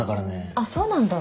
あっそうなんだ。